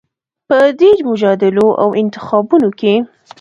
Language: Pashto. په دې مجادلو او انتخابونو کې